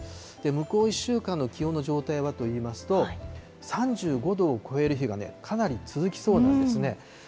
向こう１週間の気温の状態はといいますと、３５度を超える日がね、かなり続きそうなんですね。